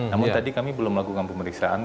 namun tadi kami belum melakukan pemeriksaan